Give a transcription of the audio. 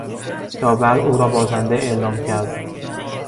داور او را بازنده اعلام کرد.